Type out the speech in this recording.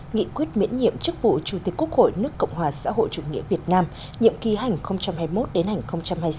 nghị quyết miễn nhiệm chức vụ chủ tịch quốc hội nước cộng hòa xã hội chủ nghĩa việt nam nhiệm kỳ hành hai nghìn hai mươi một đến hành hai nghìn hai mươi sáu